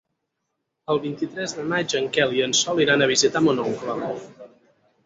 El vint-i-tres de maig en Quel i en Sol iran a visitar mon oncle.